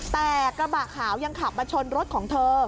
แต่กระบะขาวยังขับมาชนรถของเธอ